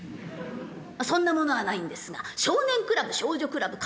そんなものはないんですが「少年倶楽部」「少女倶楽部」